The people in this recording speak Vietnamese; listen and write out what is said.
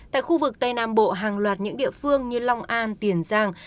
tại khu vực tây nam bộ hàng loạt những địa phương như long an tiền giang